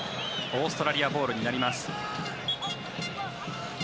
オーストラリアボールになります。